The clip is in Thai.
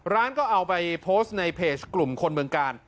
ร้านก็เอาไปโพสต์ในเพจกลุ่มคนเมืองกาล